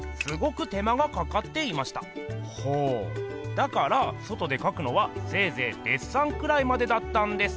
だから外でかくのはせいぜいデッサンくらいまでだったんです。